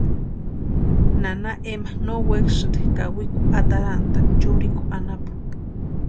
Nana Ema no wekasïnti kawikwa atarantʼani churikwa anapu.